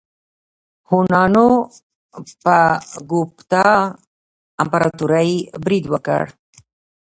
هونانو په ګوپتا امپراتورۍ برید وکړ.